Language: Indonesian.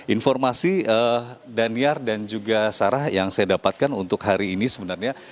informasi daniar dan juga sarah yang saya dapatkan untuk hari ini sebenarnya